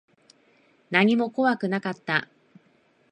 何も怖くなかった。